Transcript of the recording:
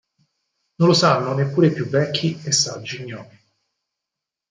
Non lo sanno neppure i più vecchi e saggi gnomi.